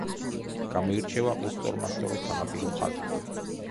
გამოირჩევა უსწორმასწორო სანაპირო ხაზით.